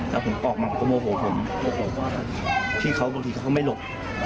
แล้วผมออกมาผมก็โมโหผมโมโหว่าพี่เขาบางทีเขาก็ไม่หลบ